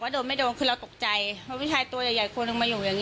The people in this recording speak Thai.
อยากให้แบบมาเจอกันมาปรับความความความใจมาพูดเคลือ